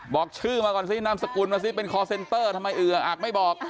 บอกชื่อมาก่อนสินามสกุลมาซิเป็นคอร์เซ็นเตอร์ทำไมเอืออักไม่บอก